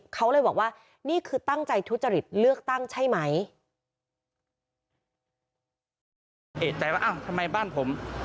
เขาเลยบอกว่านี่คือตั้งใจทุจริตเลือกตั้งใช่ไหม